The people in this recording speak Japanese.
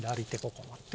ここ持って。